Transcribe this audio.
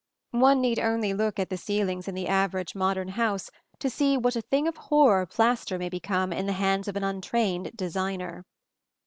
One need only look at the ceilings in the average modern house to see what a thing of horror plaster may become in the hands of an untrained "designer."